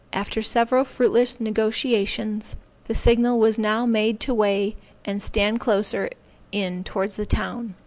After several fruitless negociations, the signal was now made to weigh, and stand closer in towards the town.